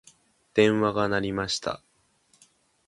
電話が鳴りました。